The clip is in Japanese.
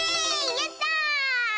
やった！